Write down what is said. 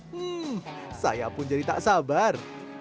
hmm saya pun jadi tak sabar